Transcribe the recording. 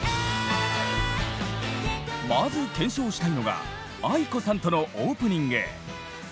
まず検証したいのがａｉｋｏさんとのオープニング。